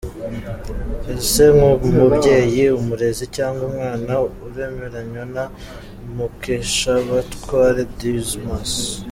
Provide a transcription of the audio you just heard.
Ese nk’umubyeyi, umurezi cyangwa umwana, uremeranywa na Mukeshabatware Dismas?.